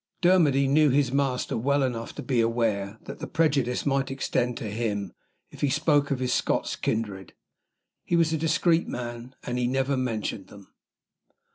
Dermody knew his master well enough to be aware that the prejudice might extend to him, if he spoke of his Scotch kindred. He was a discreet man, and he never mentioned them.